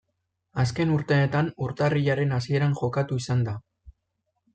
Azken urteetan urtarrilaren hasieran jokatu izan da.